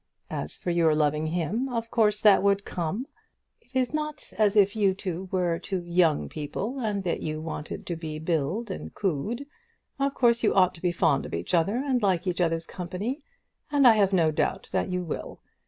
As for your loving him, of course that would come. It is not as if you two were two young people, and that you wanted to be billing and cooing. Of course you ought to be fond of each other, and like each other's company; and I have no doubt that you will.